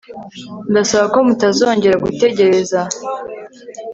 ndasaba ko mutazongera gutegereza